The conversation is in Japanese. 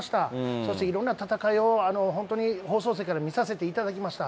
そしていろんな戦いを本当に、放送席から見させていただきました。